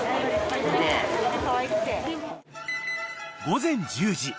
［午前１０時